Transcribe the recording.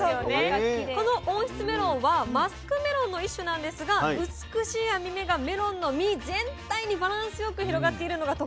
この温室メロンはマスクメロンの一種なんですが美しい網目がメロンの実全体にバランスよく広がっているのが特徴なんですね。